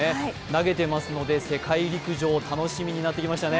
投げてますので世界陸上楽しみになってきましたよね。